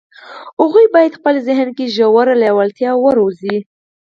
هغوی بايد په خپل ذهن کې ژوره لېوالتیا وروزي.